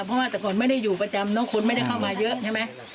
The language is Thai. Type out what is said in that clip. เพราะว่าแต่คนไม่ได้อยู่ประจำน้องคนไม่ได้เข้ามาเยอะใช่ไหม